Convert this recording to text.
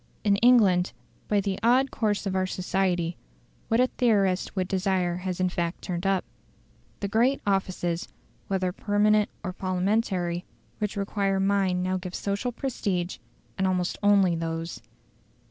In England, by the odd course of our society, what a theorist would desire has in fact turned up. The great offices, whether permanent or Parliamentary, which require mind now give social prestige, and almost only those.